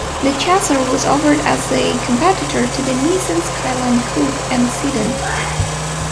The Chaser was offered as a competitor to the Nissan Skyline coupe and sedan.